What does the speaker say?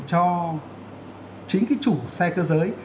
cho chính cái chủ xe cơ giới